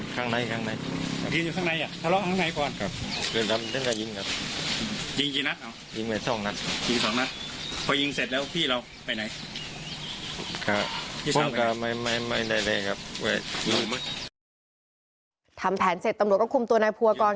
ทำแผนเสร็จตำรวจก็คุมตัวนายภูวกร